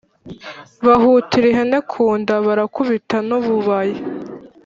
Bahutira ihene ku nda barakubita n’ububaya